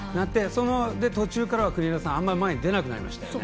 途中からは国枝さんあまり前に出なくなりましたよね。